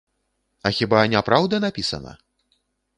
А хіба няпраўда напісана?